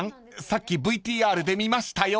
さっきＶＴＲで見ましたよ］